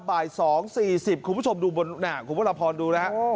บ่าย๒๔๐คุณผู้ชมดูบนคุณพระราพรดูนะฮะ